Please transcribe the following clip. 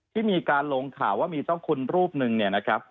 ที่มีการลงข่าวว่ามีเจ้าคุณรูปหนึ่งเนี่ยนะครับ